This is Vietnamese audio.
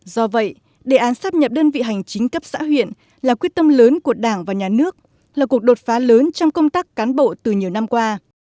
do vậy đề án sắp nhập đơn vị hành chính cấp xã huyện là quyết tâm lớn của đảng và nhà nước là cuộc đột phá lớn trong công tác cán bộ từ nhiều năm qua